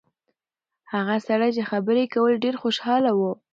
هغه سړی چې خبرې یې کولې ډېر خوشاله و.